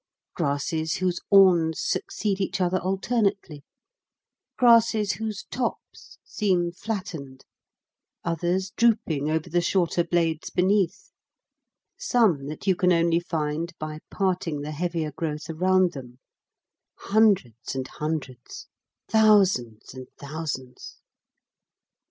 Grasses whose awns succeed each other alternately; grasses whose tops seem flattened; others drooping over the shorter blades beneath; some that you can only find by parting the heavier growth around them; hundreds and hundreds, thousands and thousands.